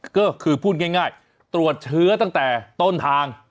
ก็คือพูดง่ายตรวจเชื้อตั้งแต่ต้นทาง